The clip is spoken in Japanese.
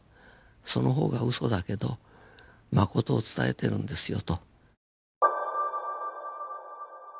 その方がウソだけどマコトを伝えてるんですよと。